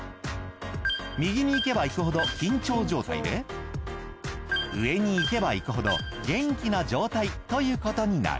右に行けば行くほど緊張状態で上に行けば行くほど元気な状態ということになる。